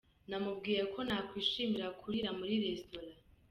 Namubwiye ko nakwishimira kurira muri restaurant.